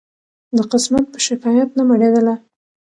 د قسمت په شکایت نه مړېدله